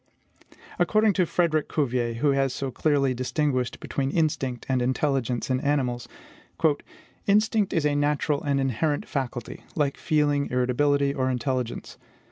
"According to Frederic Cuvier, who has so clearly distinguished between instinct and intelligence in animals, 'instinct is a natural and inherent faculty, like feeling, irritability, or intelligence.